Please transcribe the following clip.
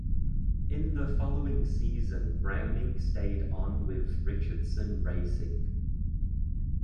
In the following season Browning stayed on with Richardson Racing.